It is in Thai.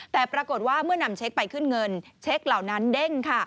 แต่ปรากฏว่าเมื่อนำเช็คไปขึ้นเงินเช็คเหล่านั้นเด้งค่ะ